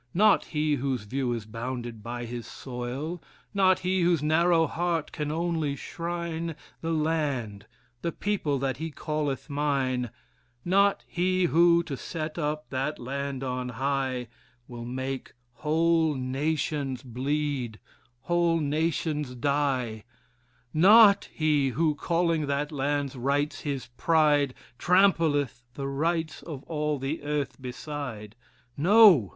Not he whose view is bounded by his soil Not he whose narrow heart can only shrine The land, the people that he calleth mine Not he who, to set up that land on high, Will make whole nations bleed, whole nations die Not he who, calling that land's rights his pride, Trampleth the rights of all the earth beside. No!